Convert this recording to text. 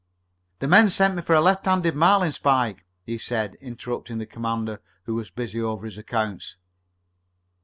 "The men sent me for a left handed marlinspike," he said, interrupting the commander, who was busy over his accounts.